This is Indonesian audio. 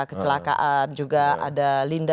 kecelakaan juga ada linda